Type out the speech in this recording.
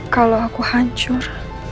kalau aku hancur